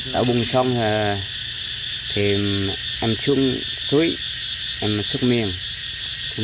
đã bùng xong thì em chụp suối em chụp miệng